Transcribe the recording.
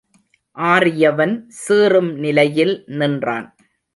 ஆறியவன் சீறும் நிலையில் நின்றான்.